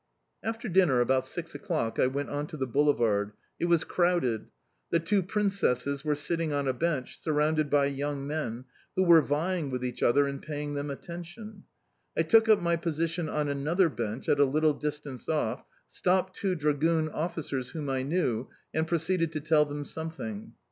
After dinner, about six o'clock, I went on to the boulevard. It was crowded. The two princesses were sitting on a bench, surrounded by young men, who were vying with each other in paying them attention. I took up my position on another bench at a little distance off, stopped two Dragoon officers whom I knew, and proceeded to tell them something.